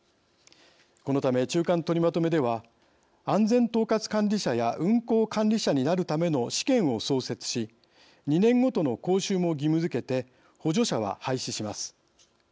このため、中間とりまとめでは安全統括管理者や運航管理者になるための試験を創設し２年ごとの講習も義務づけて補助者は廃止します。